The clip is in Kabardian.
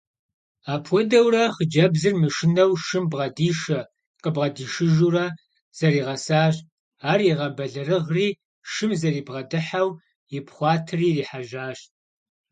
Апхуэдэурэ хъыджэбзыр мышынэу шым бгъэдишэ–къыбгъэдишыжурэ зэригъэсащ, ар игъэбэлэрыгъри шым зэрыбгъэдыхьэу ипхъуатэри ирихьэжьащ.